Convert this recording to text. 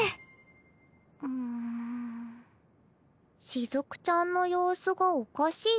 しずくちゃんの様子がおかしい？